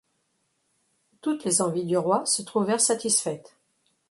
Toutes les envies du roi se trouvèrent satisfaites.